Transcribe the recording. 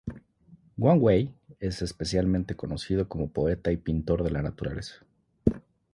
Wang Wei es especialmente conocido como poeta y pintor de la naturaleza.